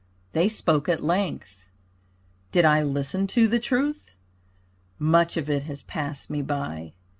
They spoke at length. Did I listen to the truth? Much of it has passed me by.